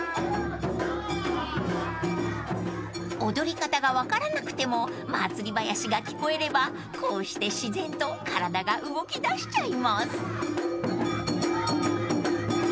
［踊り方が分からなくても祭りばやしが聞こえればこうして自然と体が動きだしちゃいます］